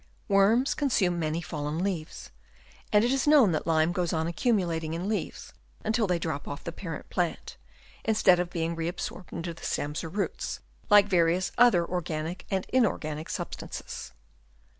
Worms consume many fallen leaves ; and it is known that lime goes on accumulating in leaves until they drop off the parent plant, instead of being re absorbed into the stem or roots, like various other organic and inorganic sub stances.